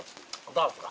ダーツか。